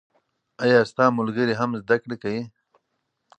آیا ستا ملګري هم زده کړې کوي؟